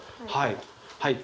はい。